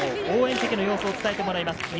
応援席の様子を伝えてもらいます。